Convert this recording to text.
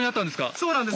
そうなんです。